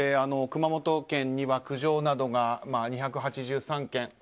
熊本県には苦情などが２８３件。